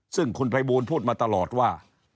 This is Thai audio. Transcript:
ซึ่งคุณภัยบูลพูดมาตลอดว่า